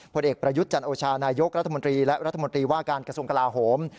ผลเอกประยุทธ์จันโอชานายกรัฐมนตรีและรัฐมนตรีว่าการกระทรวงกลาโหม